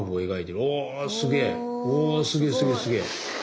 おすげえすげえすげえ。